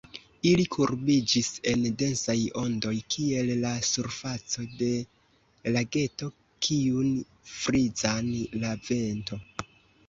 Ili kurbiĝis en densaj ondoj, kiel la surfaco de lageto, kiun frizas la vento.